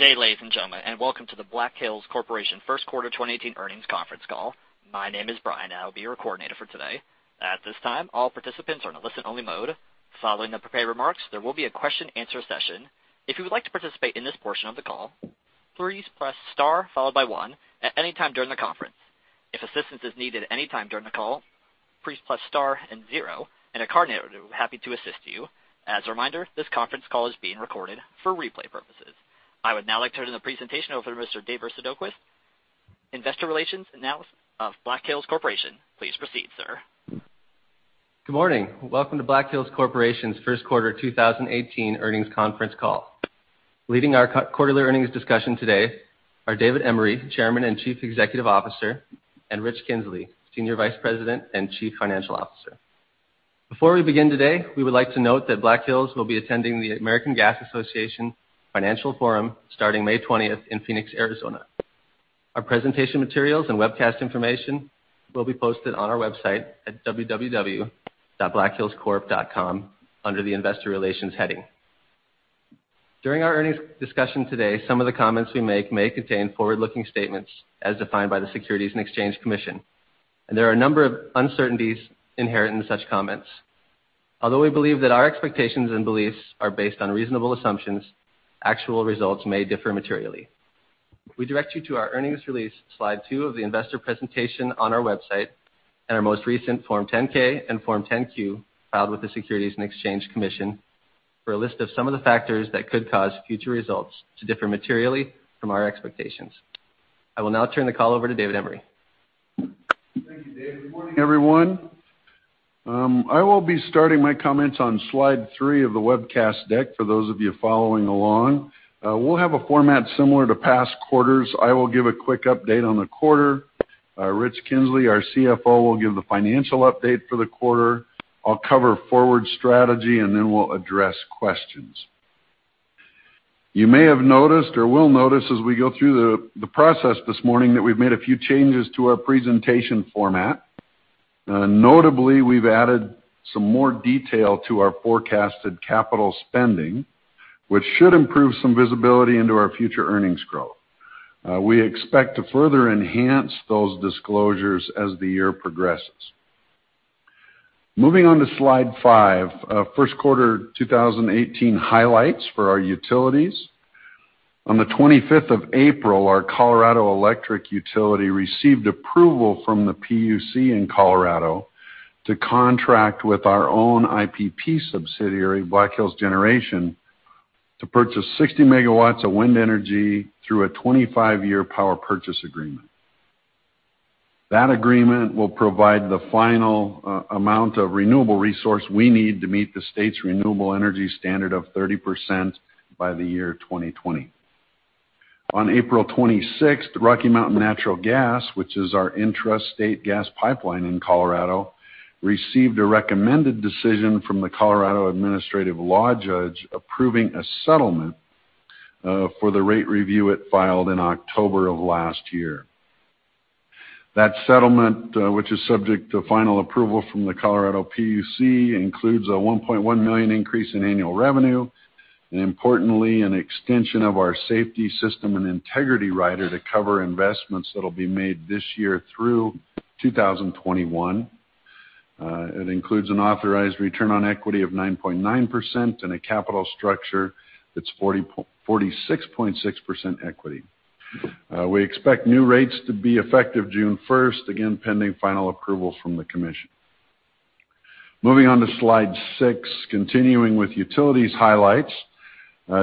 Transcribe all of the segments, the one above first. Good day, ladies and gentlemen, and welcome to the Black Hills Corporation first quarter 2018 earnings conference call. My name is Brian, I will be your coordinator for today. At this time, all participants are in a listen-only mode. Following the prepared remarks, there will be a question and answer session. If you would like to participate in this portion of the call, please press star followed by one at any time during the conference. If assistance is needed any time during the call, please press star and zero and a coordinator will be happy to assist you. As a reminder, this conference call is being recorded for replay purposes. I would now like to turn the presentation over to Mr. Dave Soderquist, Investor Relations Analyst of Black Hills Corporation. Please proceed, sir. Good morning. Welcome to Black Hills Corporation's first quarter 2018 earnings conference call. Leading our quarterly earnings discussion today are David Emery, Chairman and Chief Executive Officer, and Rich Kinzley, Senior Vice President and Chief Financial Officer. Before we begin today, we would like to note that Black Hills will be attending the American Gas Association Financial Forum starting May 20th in Phoenix, Arizona. Our presentation materials and webcast information will be posted on our website at www.blackhillscorp.com under the Investor Relations heading. During our earnings discussion today, some of the comments we make may contain forward-looking statements as defined by the Securities and Exchange Commission. There are a number of uncertainties inherent in such comments. We believe that our expectations and beliefs are based on reasonable assumptions, actual results may differ materially. We direct you to our earnings release slide two of the investor presentation on our website and our most recent Form 10-K and Form 10-Q filed with the Securities and Exchange Commission for a list of some of the factors that could cause future results to differ materially from our expectations. I will now turn the call over to David Emery. Thank you, Dave. Good morning, everyone. I will be starting my comments on slide three of the webcast deck for those of you following along. We'll have a format similar to past quarters. I will give a quick update on the quarter. Rich Kinsley, our CFO, will give the financial update for the quarter. We'll cover forward strategy, and then we'll address questions. You may have noticed or will notice as we go through the process this morning that we've made a few changes to our presentation format. Notably, we've added some more detail to our forecasted capital spending, which should improve some visibility into our future earnings growth. We expect to further enhance those disclosures as the year progresses. Moving on to slide five, first quarter 2018 highlights for our utilities. On the 25th of April, our Colorado Electric Utility received approval from the PUC in Colorado to contract with our own IPP subsidiary, Black Hills Generation, to purchase 60 megawatts of wind energy through a 25-year power purchase agreement. That agreement will provide the final amount of renewable resource we need to meet the state's renewable energy standard of 30% by the year 2020. On April 26th, Rocky Mountain Natural Gas, which is our intrastate gas pipeline in Colorado, received a recommended decision from the Colorado Administrative Law Judge approving a settlement for the rate review it filed in October of last year. That settlement, which is subject to final approval from the Colorado PUC, includes a $1.1 million increase in annual revenue, and importantly, an extension of our safety system and integrity rider to cover investments that will be made this year through 2021. It includes an authorized return on equity of 9.9% and a capital structure that is 46.6% equity. We expect new rates to be effective June 1st, again, pending final approval from the commission. Moving on to slide six, continuing with utilities highlights.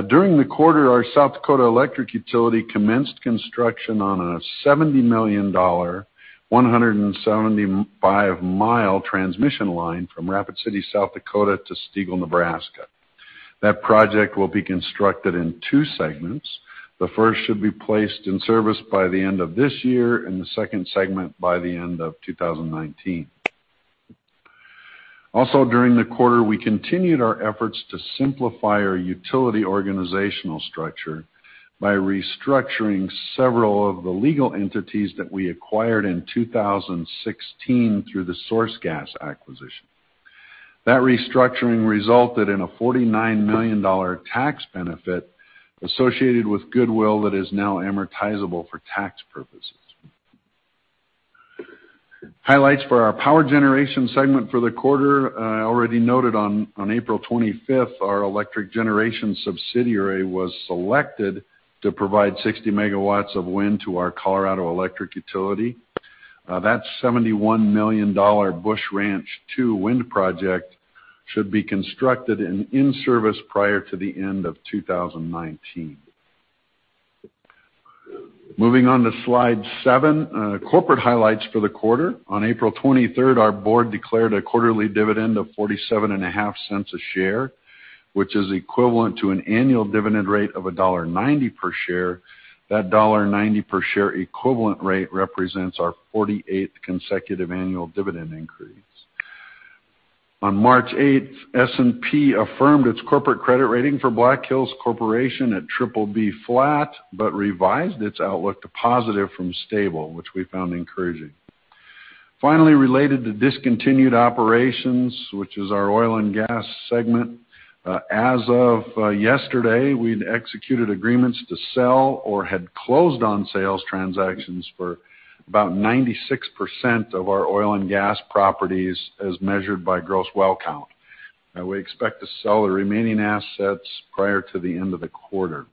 During the quarter, our South Dakota Electric Utility commenced construction on a $70 million, 175-mile transmission line from Rapid City, South Dakota to Stegall, Nebraska. That project will be constructed in two segments. The first should be placed in service by the end of this year, and the second segment by the end of 2019. Also, during the quarter, we continued our efforts to simplify our utility organizational structure by restructuring several of the legal entities that we acquired in 2016 through the SourceGas acquisition. That restructuring resulted in a $49 million tax benefit associated with goodwill that is now amortizable for tax purposes. Highlights for our power generation segment for the quarter. I already noted on April 25th, our electric generation subsidiary was selected to provide 60 megawatts of wind to our Colorado Electric Utility. That $71 million Busch Ranch II wind project should be constructed and in service prior to the end of 2019. Moving on to slide seven, corporate highlights for the quarter. On April 23rd, our board declared a quarterly dividend of $0.475 a share, which is equivalent to an annual dividend rate of $1.90 per share. That $1.90 per share equivalent rate represents our 48th consecutive annual dividend increase. On March 8th, S&P affirmed its corporate credit rating for Black Hills Corporation at BBB flat, but revised its outlook to positive from stable, which we found encouraging. Finally, related to discontinued operations, which is our oil and gas segment. As of yesterday, we had executed agreements to sell or had closed on sales transactions for about 96% of our oil and gas properties as measured by gross well count. We expect to sell the remaining assets prior to the end of the quarter.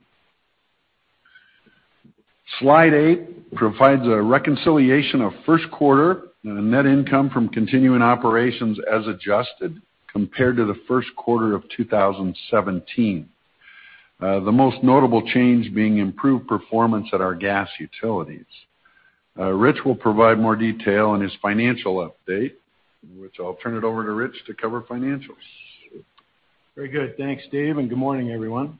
Slide eight provides a reconciliation of first quarter net income from continuing operations as adjusted compared to the first quarter of 2017. The most notable change being improved performance at our gas utilities. Rich will provide more detail on his financial update, which I will turn it over to Rich to cover financials. Very good. Thanks, Dave, and good morning, everyone.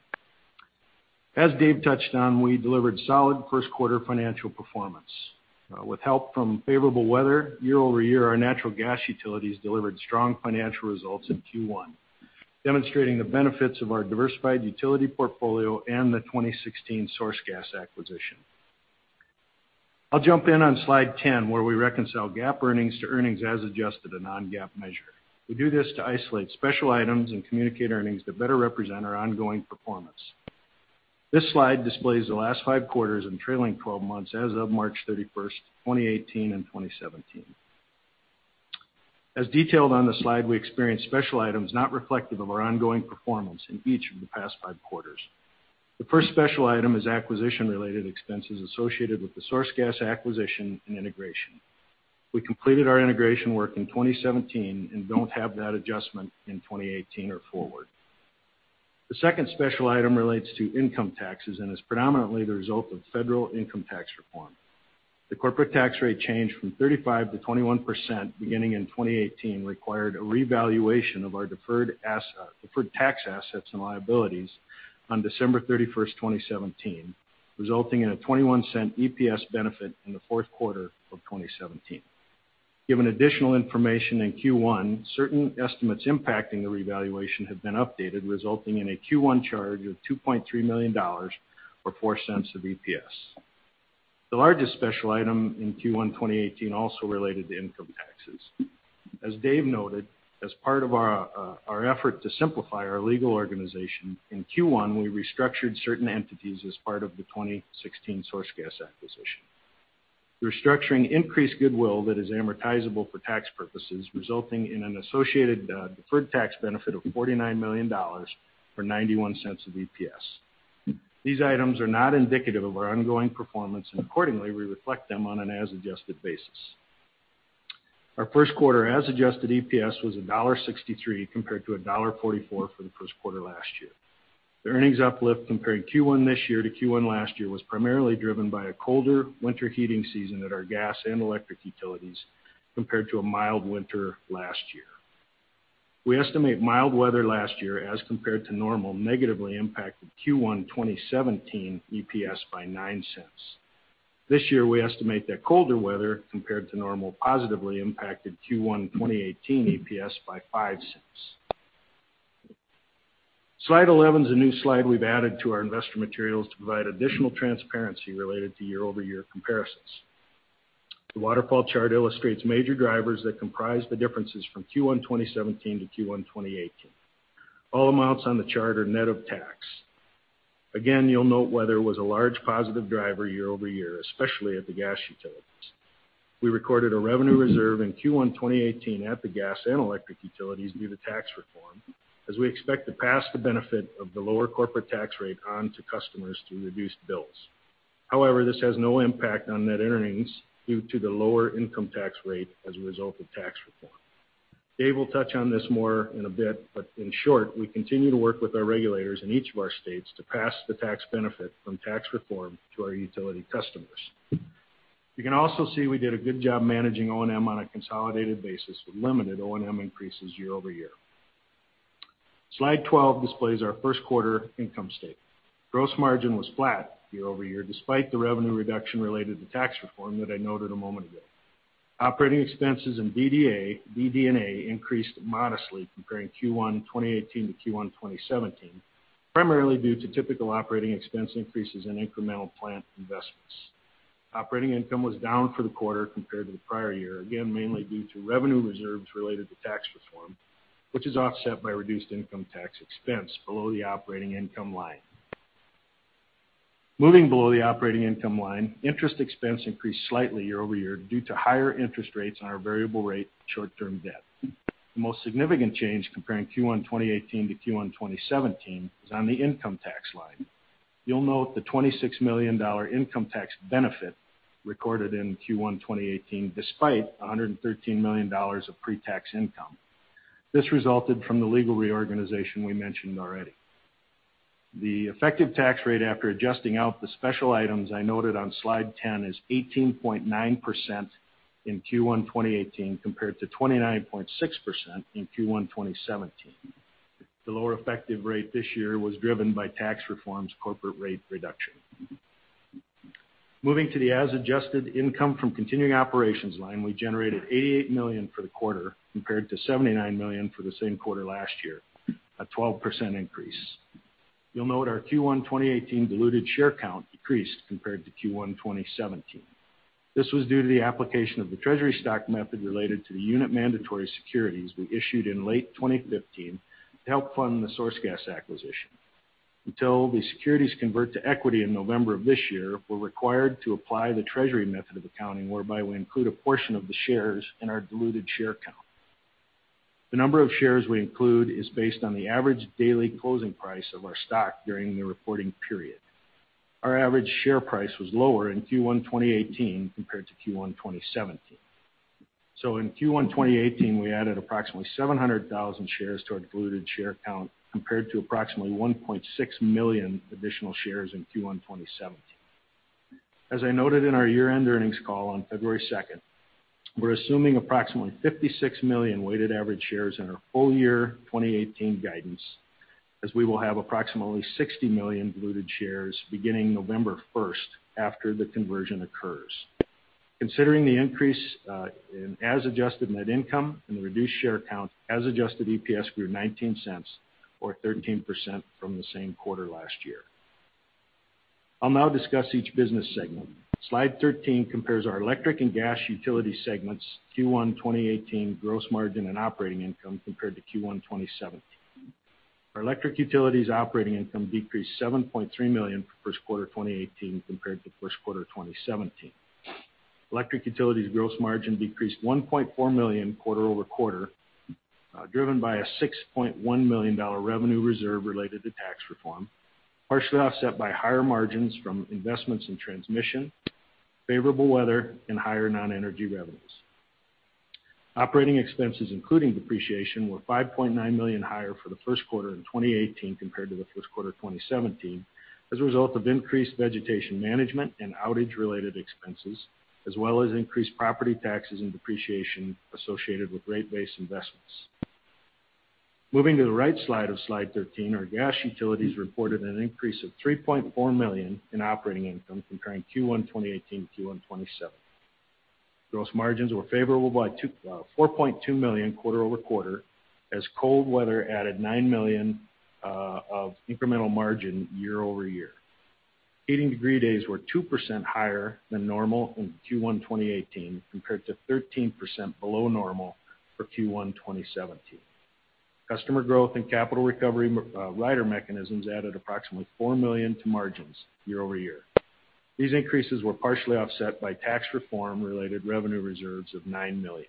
As Dave touched on, we delivered solid first-quarter financial performance. With help from favorable weather, year-over-year, our natural gas utilities delivered strong financial results in Q1, demonstrating the benefits of our diversified utility portfolio and the 2016 SourceGas acquisition. I'll jump in on slide 10, where we reconcile GAAP earnings to earnings as adjusted to non-GAAP measure. We do this to isolate special items and communicate earnings that better represent our ongoing performance. This slide displays the last five quarters and trailing 12 months as of March 31, 2018, and 2017. As detailed on the slide, we experienced special items not reflective of our ongoing performance in each of the past five quarters. The first special item is acquisition-related expenses associated with the SourceGas acquisition and integration. We completed our integration work in 2017 and don't have that adjustment in 2018 or forward. The second special item relates to income taxes and is predominantly the result of federal income tax reform. The corporate tax rate change from 35% to 21% beginning in 2018 required a revaluation of our deferred tax assets and liabilities on December 31, 2017, resulting in a $0.21 EPS benefit in the fourth quarter of 2017. Given additional information in Q1, certain estimates impacting the revaluation have been updated, resulting in a Q1 charge of $2.3 million, or $0.04 of EPS. The largest special item in Q1 2018 also related to income taxes. As Dave noted, as part of our effort to simplify our legal organization, in Q1, we restructured certain entities as part of the 2016 SourceGas acquisition. Restructuring increased goodwill that is amortizable for tax purposes, resulting in an associated deferred tax benefit of $49 million or $0.91 of EPS. These items are not indicative of our ongoing performance, and accordingly, we reflect them on an as-adjusted basis. Our first quarter as-adjusted EPS was $1.63, compared to $1.44 for the first quarter last year. The earnings uplift comparing Q1 this year to Q1 last year was primarily driven by a colder winter heating season at our gas and electric utilities compared to a mild winter last year. We estimate mild weather last year as compared to normal negatively impacted Q1 2017 EPS by $0.09. This year, we estimate that colder weather compared to normal positively impacted Q1 2018 EPS by $0.05. Slide 11 is a new slide we've added to our investor materials to provide additional transparency related to year-over-year comparisons. The waterfall chart illustrates major drivers that comprise the differences from Q1 2017 to Q1 2018. All amounts on the chart are net of tax. Again, you'll note weather was a large positive driver year-over-year, especially at the gas utilities. We recorded a revenue reserve in Q1 2018 at the gas and electric utilities due to tax reform, as we expect to pass the benefit of the lower corporate tax rate on to customers through reduced bills. However, this has no impact on net earnings due to the lower income tax rate as a result of tax reform. Dave will touch on this more in a bit, but in short, we continue to work with our regulators in each of our states to pass the tax benefit from tax reform to our utility customers. You can also see we did a good job managing O&M on a consolidated basis with limited O&M increases year-over-year. Slide 12 displays our first-quarter income statement. Gross margin was flat year-over-year despite the revenue reduction related to tax reform that I noted a moment ago. Operating expenses and DD&A increased modestly comparing Q1 2018 to Q1 2017, primarily due to typical operating expense increases and incremental plant investments. Operating income was down for the quarter compared to the prior year, again, mainly due to revenue reserves related to tax reform, which is offset by reduced income tax expense below the operating income line. Moving below the operating income line, interest expense increased slightly year-over-year due to higher interest rates on our variable rate short-term debt. The most significant change comparing Q1 2018 to Q1 2017 is on the income tax line. You'll note the $26 million income tax benefit recorded in Q1 2018 despite $113 million of pre-tax income. This resulted from the legal reorganization we mentioned already. The effective tax rate after adjusting out the special items I noted on slide 10 is 18.9% in Q1 2018 compared to 29.6% in Q1 2017. The lower effective rate this year was driven by tax reform's corporate rate reduction. Moving to the as adjusted income from continuing operations line, we generated $88 million for the quarter compared to $79 million for the same quarter last year, a 12% increase. You'll note our Q1 2018 diluted share count decreased compared to Q1 2017. This was due to the application of the treasury stock method related to the unit mandatory securities we issued in late 2015 to help fund the SourceGas acquisition. Until the securities convert to equity in November of this year, we're required to apply the treasury method of accounting, whereby we include a portion of the shares in our diluted share count. The number of shares we include is based on the average daily closing price of our stock during the reporting period. Our average share price was lower in Q1 2018 compared to Q1 2017. In Q1 2018, we added approximately 700,000 shares to our diluted share count, compared to approximately 1.6 million additional shares in Q1 2017. As I noted in our year-end earnings call on February 2nd, we're assuming approximately 56 million weighted average shares in our full year 2018 guidance, as we will have approximately 60 million diluted shares beginning November 1st, after the conversion occurs. Considering the increase in as-adjusted net income and the reduced share count, as adjusted EPS grew $0.19, or 13% from the same quarter last year. I'll now discuss each business segment. Slide 13 compares our electric and gas utility segments' Q1 2018 gross margin and operating income compared to Q1 2017. Our electric utilities operating income decreased $7.3 million for first quarter 2018 compared to first quarter 2017. Electric utilities gross margin decreased $1.4 million quarter-over-quarter, driven by a $6.1 million revenue reserve related to tax reform, partially offset by higher margins from investments in transmission, favorable weather, and higher non-energy revenues. Operating expenses, including depreciation, were $5.9 million higher for the first quarter in 2018 compared to the first quarter 2017, as a result of increased vegetation management and outage-related expenses, as well as increased property taxes and depreciation associated with rate base investments. Moving to the right side of slide 13, our gas utilities reported an increase of $3.4 million in operating income comparing Q1 2018 to Q1 2017. Gross margins were favorable by $4.2 million quarter-over-quarter, as cold weather added $9 million of incremental margin year-over-year. Heating degree days were 2% higher than normal in Q1 2018, compared to 13% below normal for Q1 2017. Customer growth and capital recovery rider mechanisms added approximately $4 million to margins year-over-year. These increases were partially offset by tax reform related revenue reserves of $9 million.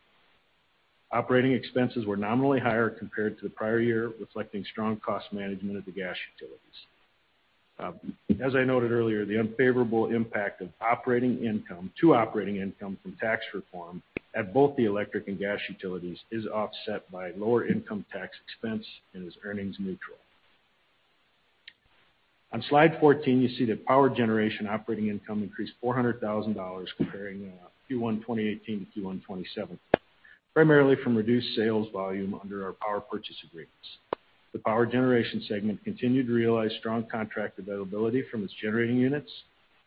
Operating expenses were nominally higher compared to the prior year, reflecting strong cost management of the gas utilities. As I noted earlier, the unfavorable impact to operating income from tax reform at both the electric and gas utilities is offset by lower income tax expense and is earnings neutral. On slide 14, you see that power generation operating income increased $400,000 comparing Q1 2018 to Q1 2017, primarily from reduced sales volume under our power purchase agreements. The power generation segment continued to realize strong contract availability from its generating units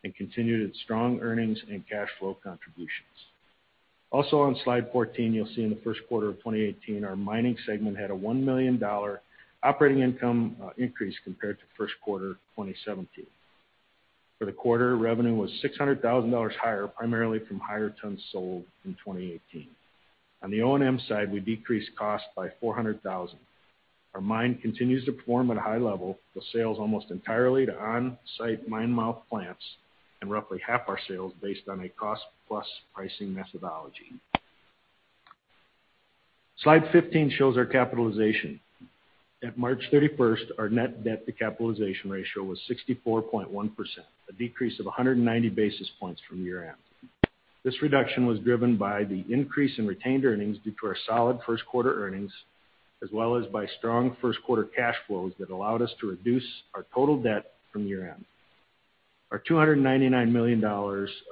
and continued its strong earnings and cash flow contributions. Also on Slide 14, you'll see in the first quarter of 2018, our mining segment had a $1 million operating income increase compared to first quarter 2017. For the quarter, revenue was $600,000 higher, primarily from higher tons sold in 2018. On the O&M side, we decreased cost by $400,000. Our mine continues to perform at a high level, with sales almost entirely to on-site mine-mouth plants, and roughly half our sales based on a cost-plus pricing methodology. Slide 15 shows our capitalization. At March 31st, our net debt to capitalization ratio was 64.1%, a decrease of 190 basis points from year-end. This reduction was driven by the increase in retained earnings due to our solid first quarter earnings, as well as by strong first quarter cash flows that allowed us to reduce our total debt from year end. Our $299 million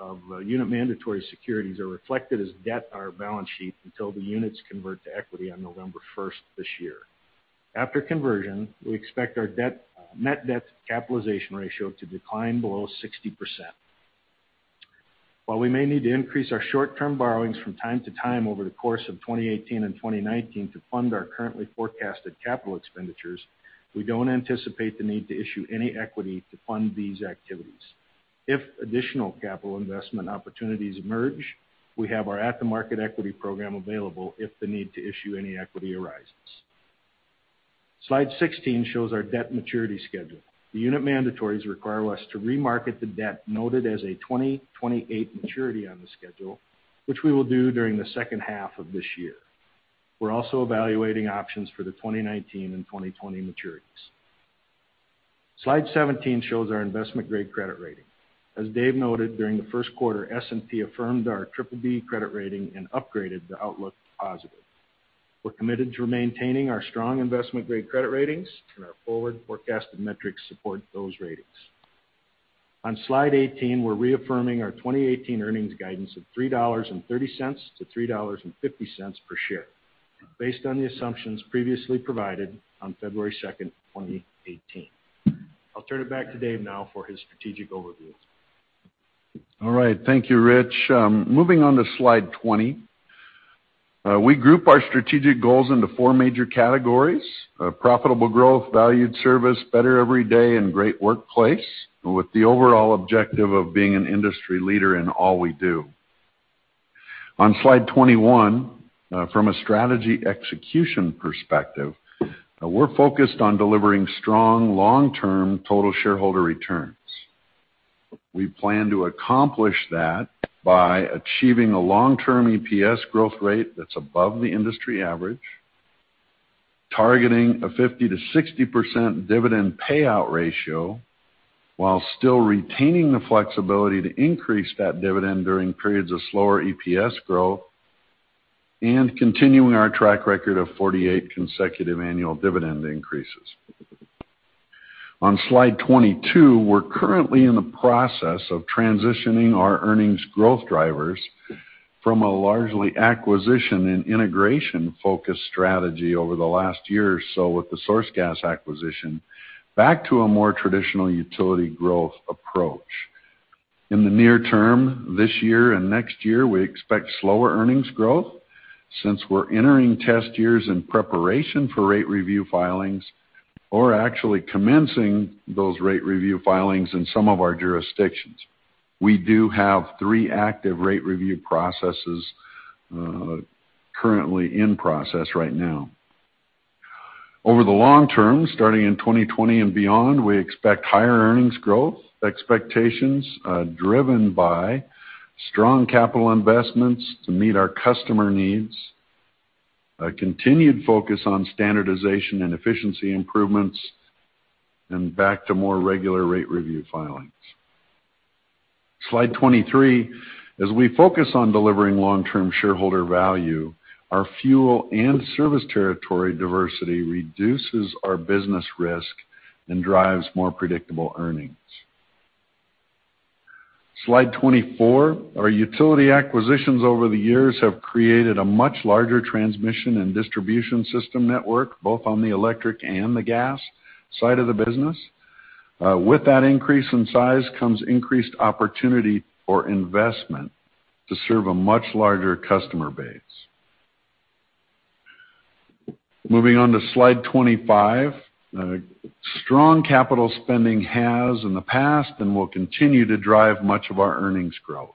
of unit mandatory securities are reflected as debt on our balance sheet until the units convert to equity on November 1st this year. After conversion, we expect our net debt to capitalization ratio to decline below 60%. While we may need to increase our short-term borrowings from time to time over the course of 2018 and 2019 to fund our currently forecasted capital expenditures, we don't anticipate the need to issue any equity to fund these activities. If additional capital investment opportunities emerge, we have our at-the-market equity program available if the need to issue any equity arises. Slide 16 shows our debt maturity schedule. The unit mandatories require us to remarket the debt noted as a 2028 maturity on the schedule, which we will do during the second half of this year. We're also evaluating options for the 2019 and 2020 maturities. Slide 17 shows our investment-grade credit rating. As Dave noted, during the first quarter, S&P affirmed our BBB credit rating and upgraded the outlook to positive. We're committed to maintaining our strong investment-grade credit ratings, and our forward forecasted metrics support those ratings. On slide 18, we're reaffirming our 2018 earnings guidance of $3.30 to $3.50 per share, based on the assumptions previously provided on February 2nd, 2018. I'll turn it back to Dave now for his strategic overview. All right. Thank you, Rich. Moving on to slide 20. We group our strategic goals into four major categories: profitable growth, valued service, better every day, and great workplace, with the overall objective of being an industry leader in all we do. On slide 21, from a strategy execution perspective, we're focused on delivering strong long-term total shareholder returns. We plan to accomplish that by achieving a long-term EPS growth rate that's above the industry average, targeting a 50%-60% dividend payout ratio while still retaining the flexibility to increase that dividend during periods of slower EPS growth, and continuing our track record of 48 consecutive annual dividend increases. On slide 22, we're currently in the process of transitioning our earnings growth drivers from a largely acquisition and integration-focused strategy over the last year or so with the SourceGas acquisition, back to a more traditional utility growth approach. In the near term, this year and next year, we expect slower earnings growth since we're entering test years in preparation for rate review filings or actually commencing those rate review filings in some of our jurisdictions. We do have three active rate review processes currently in process right now. Over the long term, starting in 2020 and beyond, we expect higher earnings growth expectations driven by strong capital investments to meet our customer needs, a continued focus on standardization and efficiency improvements, and back to more regular rate review filings. Slide 23. As we focus on delivering long-term shareholder value, our fuel and service territory diversity reduces our business risk and drives more predictable earnings. Slide 24. Our utility acquisitions over the years have created a much larger transmission and distribution system network, both on the electric and the gas side of the business. With that increase in size comes increased opportunity for investment to serve a much larger customer base. Moving on to slide 25. Strong capital spending has in the past and will continue to drive much of our earnings growth.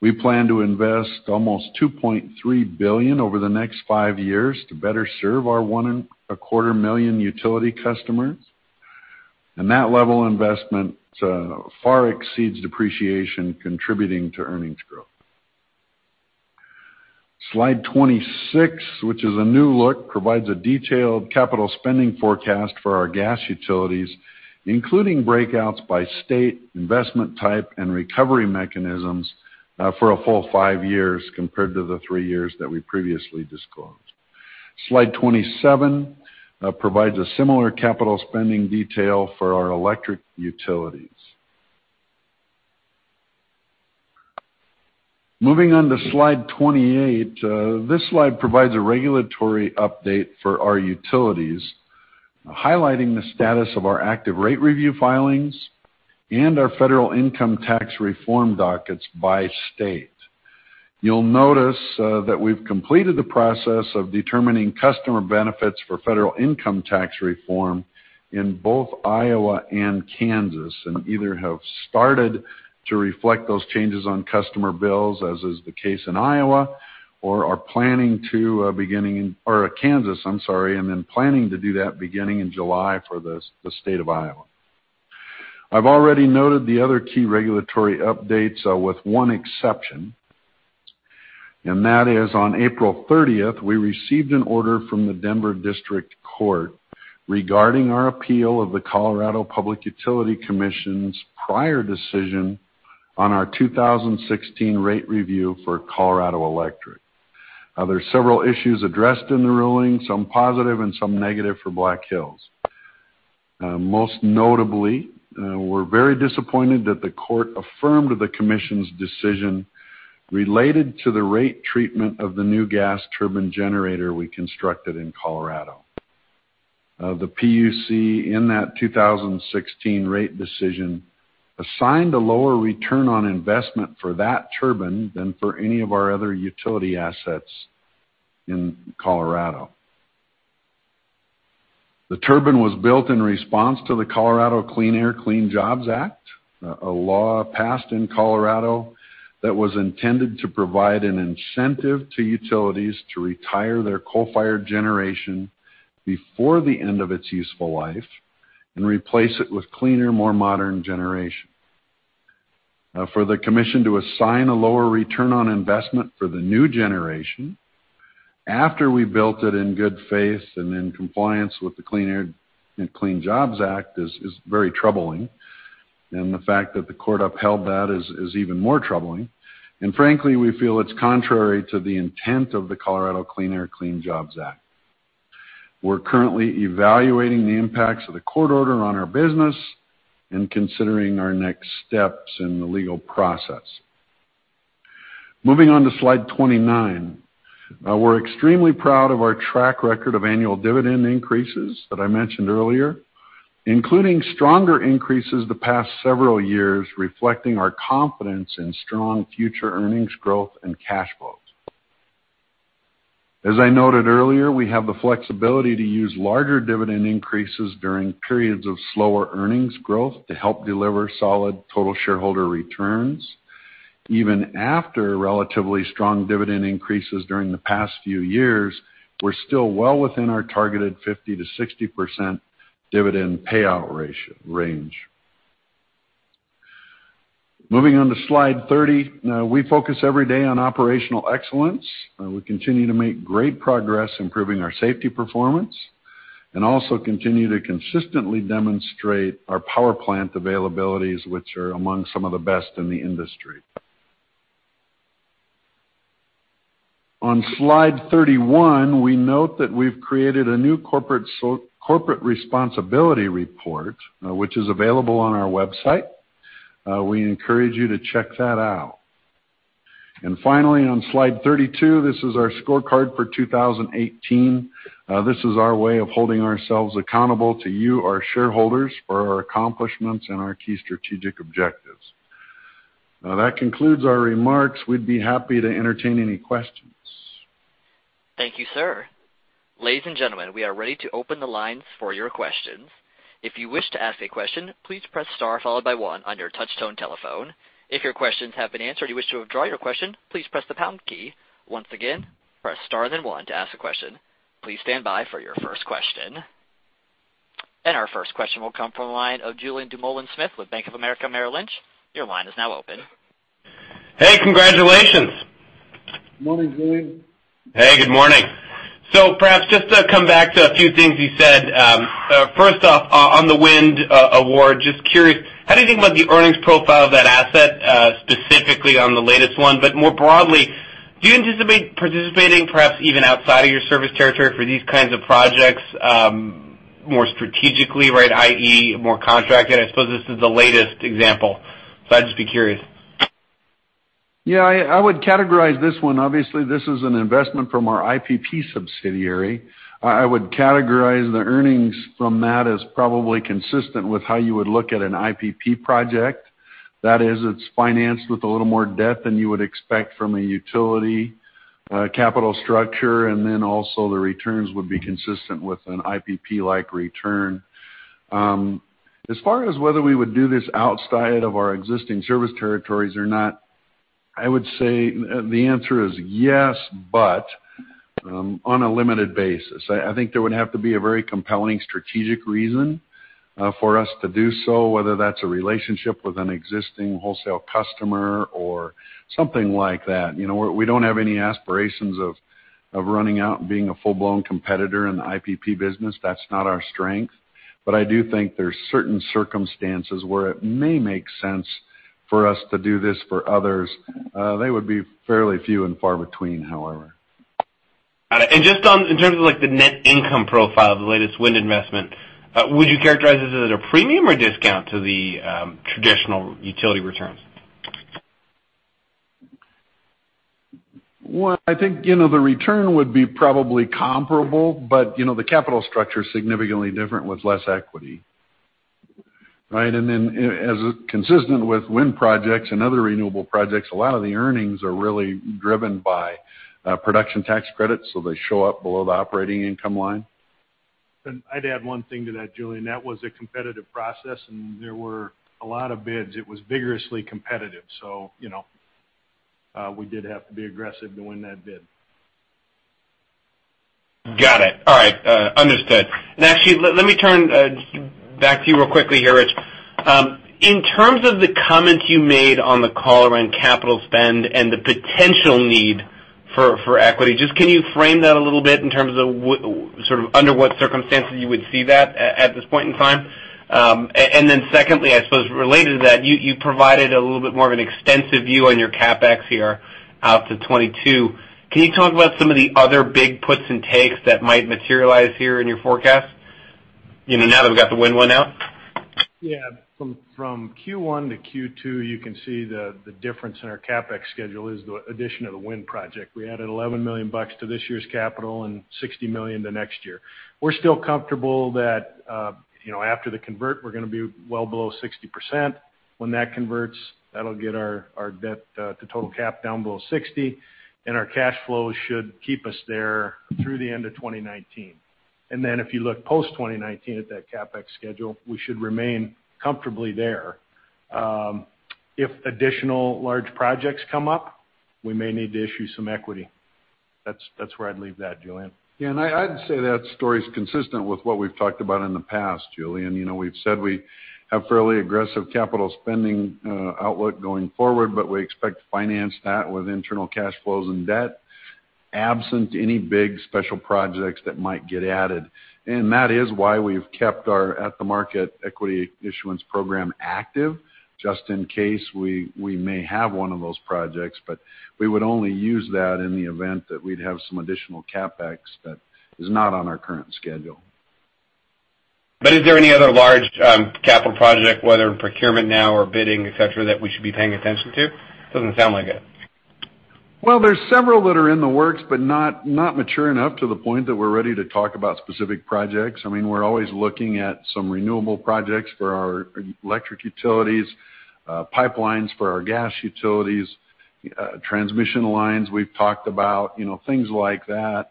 We plan to invest almost $2.3 billion over the next five years to better serve our one and a quarter million utility customers. That level of investment far exceeds depreciation contributing to earnings growth. Slide 26, which is a new look, provides a detailed capital spending forecast for our gas utilities, including breakouts by state, investment type, and recovery mechanisms for a full five years compared to the three years that we previously disclosed. Slide 27 provides a similar capital spending detail for our electric utilities. Moving on to slide 28, this slide provides a regulatory update for our utilities, highlighting the status of our active rate review filings and our federal income tax reform dockets by state. You'll notice that we've completed the process of determining customer benefits for federal income tax reform in both Iowa and Kansas, and either have started to reflect those changes on customer bills, as is the case in Iowa, or Kansas, I'm sorry, planning to do that beginning in July for the state of Iowa. I've already noted the other key regulatory updates with one exception, that is on April 30th, we received an order from the Denver District Court regarding our appeal of the Colorado Public Utilities Commission's prior decision on our 2016 rate review for Colorado Electric. There's several issues addressed in the ruling, some positive and some negative for Black Hills. Most notably, we're very disappointed that the court affirmed the Commission's decision related to the rate treatment of the new gas turbine generator we constructed in Colorado. The PUC in that 2016 rate decision assigned a lower return on investment for that turbine than for any of our other utility assets in Colorado. The turbine was built in response to the Colorado Clean Air-Clean Jobs Act, a law passed in Colorado that was intended to provide an incentive to utilities to retire their coal-fired generation before the end of its useful life and replace it with cleaner, more modern generation. For the Commission to assign a lower return on investment for the new generation, after we built it in good faith and in compliance with the Clean Air-Clean Jobs Act is very troubling. The fact that the court upheld that is even more troubling. Frankly, we feel it's contrary to the intent of the Colorado Clean Air-Clean Jobs Act. We're currently evaluating the impacts of the court order on our business and considering our next steps in the legal process. Moving on to slide 29. We're extremely proud of our track record of annual dividend increases that I mentioned earlier, including stronger increases the past several years, reflecting our confidence in strong future earnings growth and cash flows. As I noted earlier, we have the flexibility to use larger dividend increases during periods of slower earnings growth to help deliver solid total shareholder returns. Even after relatively strong dividend increases during the past few years, we're still well within our targeted 50%-60% dividend payout range. Moving on to slide 30. We focus every day on operational excellence. We continue to make great progress improving our safety performance, and also continue to consistently demonstrate our power plant availabilities, which are among some of the best in the industry. On slide 31, we note that we've created a new corporate responsibility report, which is available on our website. We encourage you to check that out. Finally, on slide 32, this is our scorecard for 2018. This is our way of holding ourselves accountable to you, our shareholders, for our accomplishments and our key strategic objectives. That concludes our remarks. We'd be happy to entertain any questions. Thank you, sir. Ladies and gentlemen, we are ready to open the lines for your questions. If you wish to ask a question, please press star followed by one on your touch-tone telephone. If your questions have been answered or you wish to withdraw your question, please press the pound key. Once again, press star then one to ask a question. Please stand by for your first question. Our first question will come from the line of Julien Dumoulin-Smith with Bank of America Merrill Lynch. Your line is now open. Hey, congratulations. Morning, Julien. Hey, good morning. Perhaps just to come back to a few things you said. First off, on the wind award, just curious, how do you think about the earnings profile of that asset, specifically on the latest one? More broadly, do you anticipate participating perhaps even outside of your service territory for these kinds of projects more strategically, i.e., more contracted? I suppose this is the latest example, I'd just be curious. Yeah, I would categorize this one, obviously, this is an investment from our IPP subsidiary. I would categorize the earnings from that as probably consistent with how you would look at an IPP project. That is, it's financed with a little more debt than you would expect from a utility capital structure, then also the returns would be consistent with an IPP-like return. As far as whether we would do this outside of our existing service territories or not, I would say the answer is yes, on a limited basis. I think there would have to be a very compelling strategic reason for us to do so, whether that's a relationship with an existing wholesale customer or something like that. We don't have any aspirations of running out and being a full-blown competitor in the IPP business. That's not our strength. I do think there's certain circumstances where it may make sense for us to do this for others. They would be fairly few and far between, however. Got it. Just in terms of the net income profile of the latest wind investment, would you characterize this as a premium or discount to the traditional utility returns? Well, I think, the return would be probably comparable, but the capital structure is significantly different with less equity. Right? Then as is consistent with wind projects and other renewable projects, a lot of the earnings are really driven by production tax credits, so they show up below the operating income line. I'd add one thing to that, Julien. That was a competitive process, and there were a lot of bids. It was vigorously competitive, so we did have to be aggressive to win that bid. Got it. All right, understood. Actually, let me turn back to you real quickly here, Rich. In terms of the comments you made on the call around capital spend and the potential need for equity, just can you frame that a little bit in terms of under what circumstances you would see that at this point in time? Secondly, I suppose related to that, you provided a little bit more of an extensive view on your CapEx here out to 2022. Can you talk about some of the other big puts and takes that might materialize here in your forecast now that we've got the wind one out? Yeah. From Q1 to Q2, you can see the difference in our CapEx schedule is the addition of the wind project. We added $11 million to this year's capital and $60 million to next year. We're still comfortable that after the convert, we're going to be well below 60%. When that converts, that'll get our debt to total cap down below 60%, and our cash flow should keep us there through the end of 2019. If you look post-2019 at that CapEx schedule, we should remain comfortably there. If additional large projects come up, we may need to issue some equity. That's where I'd leave that, Julien. Yeah, I'd say that story's consistent with what we've talked about in the past, Julien. We've said we have fairly aggressive capital spending outlook going forward, but we expect to finance that with internal cash flows and debt absent any big special projects that might get added. That is why we've kept our at-the-market equity issuance program active, just in case we may have one of those projects, but we would only use that in the event that we'd have some additional CapEx that is not on our current schedule. Is there any other large capital project, whether in procurement now or bidding, et cetera, that we should be paying attention to? Doesn't sound like it. Well, there's several that are in the works, but not mature enough to the point that we're ready to talk about specific projects. We're always looking at some renewable projects for our electric utilities, pipelines for our gas utilities, transmission lines we've talked about, things like that.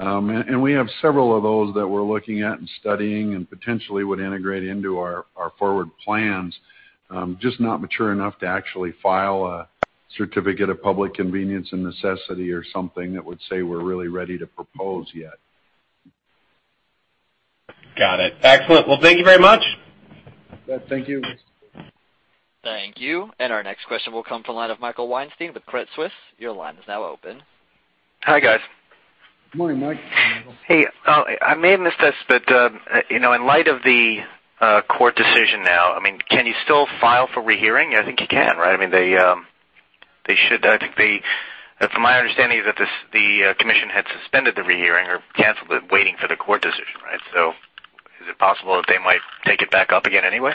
We have several of those that we're looking at and studying and potentially would integrate into our forward plans. Just not mature enough to actually file a certificate of public convenience and necessity or something that would say we're really ready to propose yet. Got it. Excellent. Well, thank you very much. Thank you. Thank you. Our next question will come from the line of Michael Weinstein with Credit Suisse. Your line is now open. Hi, guys. Good morning, Mike. Hey. I may have missed this, but in light of the court decision now, can you still file for rehearing? I think you can, right? From my understanding is that the commission had suspended the rehearing or canceled it, waiting for the court decision. Is it possible that they might take it back up again anyway?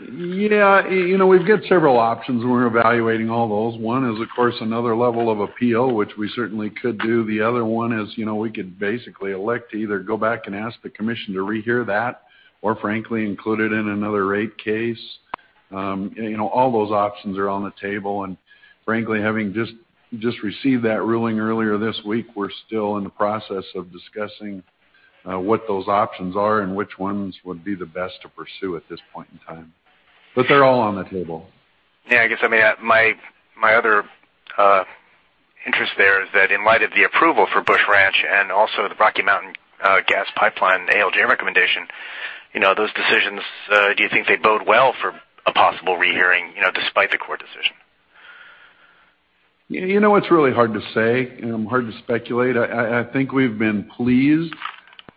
Yeah. We've got several options. We're evaluating all those. One is, of course, another level of appeal, which we certainly could do. The other one is, we could basically elect to either go back and ask the commission to rehear that or frankly include it in another rate case. All those options are on the table. Frankly, having just received that ruling earlier this week, we're still in the process of discussing what those options are and which ones would be the best to pursue at this point in time. They're all on the table. Yeah, I guess my other interest there is that in light of the approval for Busch Ranch and also the Rocky Mountain gas pipeline ALJ recommendation, those decisions, do you think they bode well for a possible rehearing, despite the court decision? It's really hard to say, hard to speculate. I think we've been pleased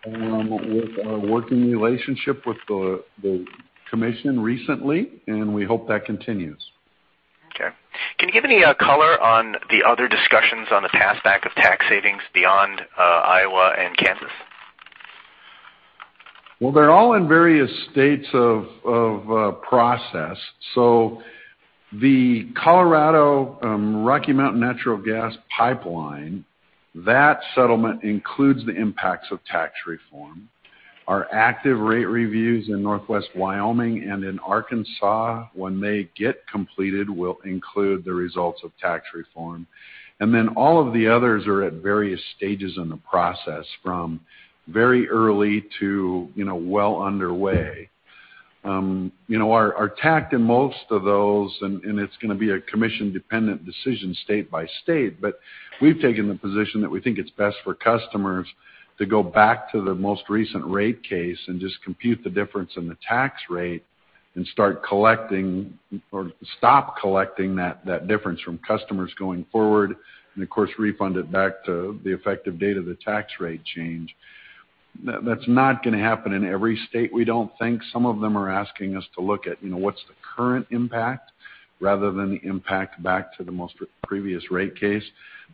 with our working relationship with the commission recently, we hope that continues. Okay. Can you give any color on the other discussions on the pass-back of tax savings beyond Iowa and Kansas? Well, they're all in various states of process. The Colorado Rocky Mountain Natural Gas Pipeline, that settlement includes the impacts of tax reform. Our active rate reviews in Northwest Wyoming and in Arkansas, when they get completed, will include the results of tax reform. All of the others are at various stages in the process, from very early to well underway. Our tact in most of those, and it's going to be a commission-dependent decision state by state, but we've taken the position that we think it's best for customers to go back to the most recent rate case and just compute the difference in the tax rate and start collecting or stop collecting that difference from customers going forward. Of course, refund it back to the effective date of the tax rate change. That's not going to happen in every state, we don't think. Some of them are asking us to look at what's the current impact rather than the impact back to the most previous rate case.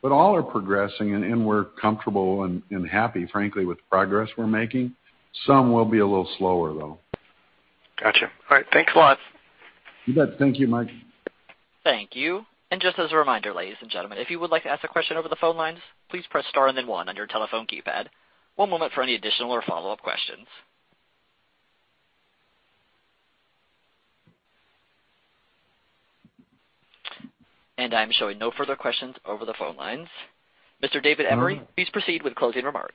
All are progressing, and we're comfortable and happy, frankly, with the progress we're making. Some will be a little slower, though. Got you. All right. Thanks a lot. You bet. Thank you, Mike. Thank you. Just as a reminder, ladies and gentlemen, if you would like to ask a question over the phone lines, please press star and then one on your telephone keypad. One moment for any additional or follow-up questions. I'm showing no further questions over the phone lines. Mr. David Emery, please proceed with closing remarks.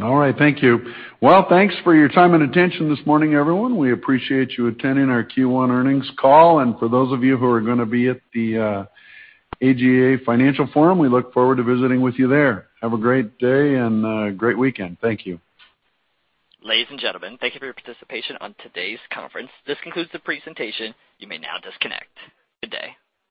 All right. Thank you. Well, thanks for your time and attention this morning, everyone. We appreciate you attending our Q1 earnings call, and for those of you who are going to be at the AGA Financial Forum, we look forward to visiting with you there. Have a great day and a great weekend. Thank you. Ladies and gentlemen, thank you for your participation on today's conference. This concludes the presentation. You may now disconnect. Good day.